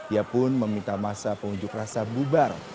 ia pun meminta masa pengunjuk rasa bubar